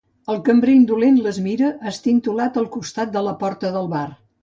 El cambrer indolent les mira, estintolat al costat de la porta del bar.